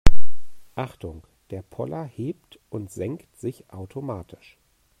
Achtung, der Poller hebt und senkt sich automatisch.